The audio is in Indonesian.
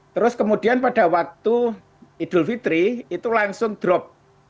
terus kemudian pada waktu idul fitri itu langsung drop